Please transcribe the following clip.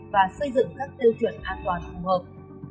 và xây dựng các tiêu chuẩn an toàn phù hợp